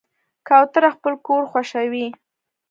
کوتره خپل کور خوښوي.